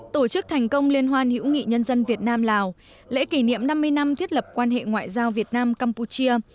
trước thành công liên hoan hữu nghị nhân dân việt nam lào lễ kỷ niệm năm mươi năm thiết lập quan hệ ngoại giao việt nam campuchia